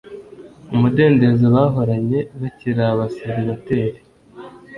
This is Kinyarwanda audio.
umudendezo bahoranye bakiri abaseribateri